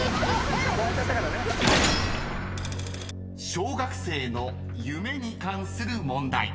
［小学生の夢に関する問題］